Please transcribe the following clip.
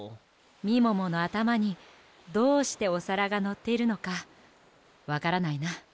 みもものあたまにどうしておさらがのっているのかわからないな。